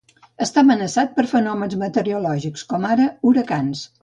Està amenaçat per fenòmens meteorològics com ara huracans.